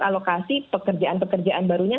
alokasi pekerjaan pekerjaan barunya